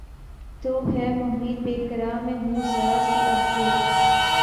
تو ہے محیط بیکراں میں ہوں ذرا سی آب جو